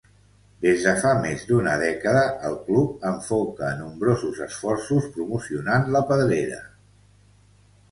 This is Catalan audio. Des de fa més d'una dècada, el club enfoca nombrosos esforços promocionant la pedrera.